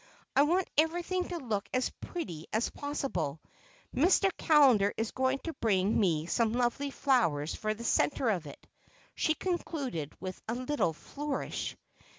I want everything to look as pretty as possible. Mr. Callender is going to bring me some lovely flowers for the center of it," she concluded with a little flourish.